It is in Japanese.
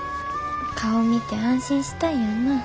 顔見て安心したいやんなぁ。